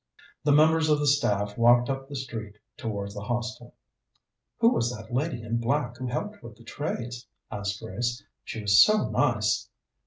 The members of the staff walked up the street towards the Hostel. "Who was the lady in black who helped with the trays?" asked Grace. "She was so nice."